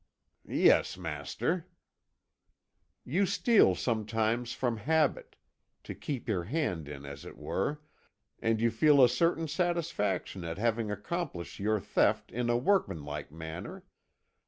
"Yes, master." "You steal sometimes from habit, to keep your hand in as it were, and you feel a certain satisfaction at having accomplished your theft in a workmanlike manner.